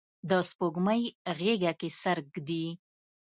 د سپوږمۍ غیږه کې سر ږدي